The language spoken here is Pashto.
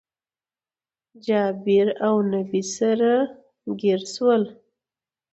جابير اونبي سره ګير شول